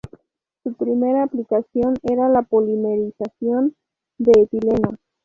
Su primera aplicación era la polimerización de etileno.